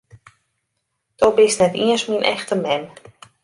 Do bist net iens myn echte mem!